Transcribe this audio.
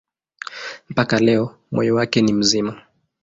Mpaka leo moyo wake ni mzima.